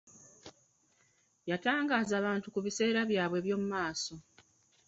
Yatangaaza abantu ku biseera byabwe eby'omumaaso.